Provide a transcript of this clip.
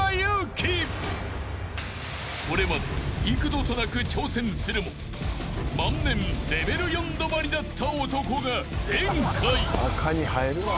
［これまで幾度となく挑戦するも万年レベル４止まりだった男が前回］